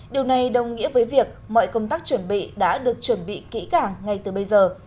điều này đồng nghĩa với việc mọi công tác chuẩn bị đã được chuẩn bị kỹ cảng ngay từ bây giờ